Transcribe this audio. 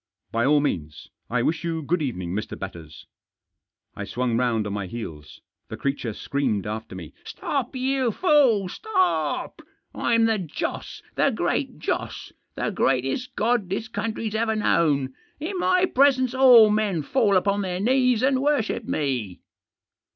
"By all means. I wish you good evening, Mr. Batters." I swung round on my heels. The creature screamed after me. " Stop, you fool, stop ! Fm the Joss — the Great Joss ; the greatest god this country's ever known. In my presence all men fall upon their knees and worship me."